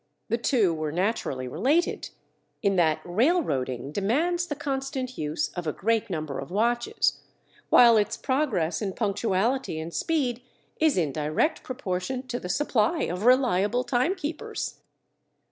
The two were naturally related, in that railroading demands the constant use of a great number of watches, while its progress in punctuality and speed is in direct proportion to the supply of reliable timekeepers.